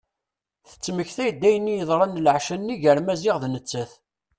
Tettmektay-d ayen i yeḍran leɛca-nni gar Maziɣ d nettat.